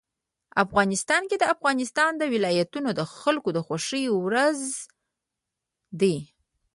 افغانستان کې د افغانستان ولايتونه د خلکو د خوښې وړ ځای دی.